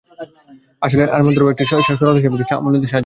আসলে আরমান্দোর আরও একটি সরল হাসিই আমাকে সামলে নিতে সাহায্য করে।